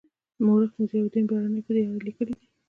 مورخ ضیاالدین برني په دې اړه لیکلي دي.